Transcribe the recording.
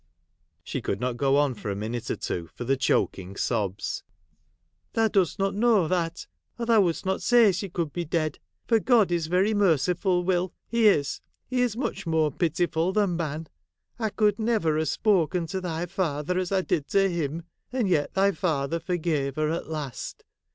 She could not go on for a minute or two for the choking sobs. ' Thou dost notknow that, or thou wouldst not say she could be dead, — for God is very merciful, Will ; He is, — He is much more pitiful than man, — I could never ha' spoken to thy father as I did to Him, — and yet thy father forgave her at last.